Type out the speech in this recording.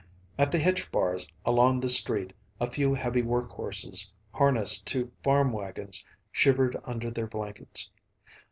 At the hitch bars along the street a few heavy work horses, harnessed to farm wagons, shivered under their blankets.